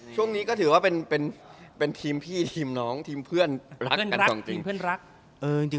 ช่วงนี้ก็ถือว่าเป็นทีมพี่ทีมน้องทีมเพื่อนรักกันจริง